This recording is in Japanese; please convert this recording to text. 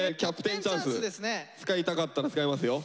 使いたかったら使えますよ。